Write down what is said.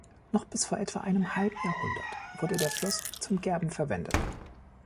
Noch bis vor etwa einem halben Jahrhundert wurde der Fluss zum Gerben verwendet.